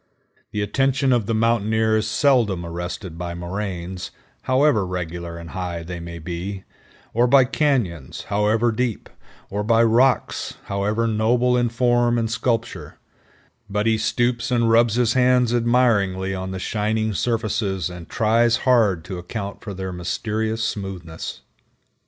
The attention of the mountaineer is seldom arrested by moraines, however regular and high they may be, or by cañons, however deep, or by rocks, however noble in form and sculpture; but he stoops and rubs his hands admiringly on the shining surfaces and trios hard to account for their mysterious smoothness.